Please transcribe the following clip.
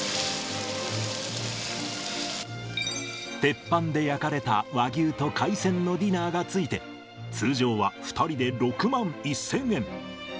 鉄板で焼かれた和牛と海鮮のディナーがついて、通常は２人で６万１０００円。